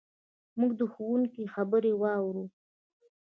موږ د ښوونکي خبرې واورو.